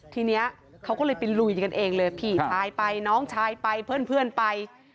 ทีนี้เขาก็เลยไปลุยกันเองเลยพี่ชายไปน้องชายไปเพื่อนไป